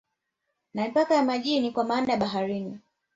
Na mipaka ya majini kwa maana ya baharini